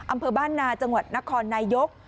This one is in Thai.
อำเภอบ้านนาจังหวัดนครนายก